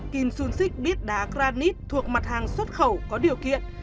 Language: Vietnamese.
kim xuân xích biết đá granite thuộc mặt hàng xuất khẩu có điều kiện